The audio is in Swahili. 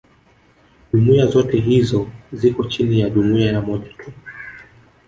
jumuiya zote hizo ziko chini ya jumuiya moja tu